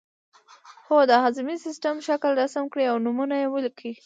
هو د هاضمې د سیستم شکل رسم کړئ او نومونه یې ولیکئ